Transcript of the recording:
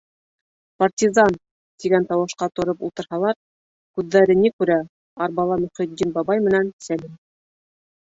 Партизан! - тигән тауышҡа тороп ултырһалар, күҙҙәре ни күрә, арбала Мөхөтдин бабай менән Сәлим.